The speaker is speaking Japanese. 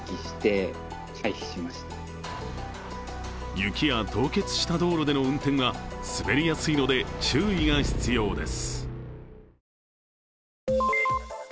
雪や凍結した道路での運転は滑りやすいので注意が必要です。